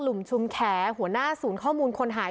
ุ่มชุมแขหัวหน้าศูนย์ข้อมูลคนหาย